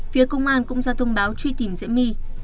phía công an cũng ra thông báo truy tìm diễm my